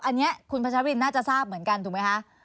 อันนี้คุณพัชรินน่าจะทราบเหมือนกันถูกไหมคะ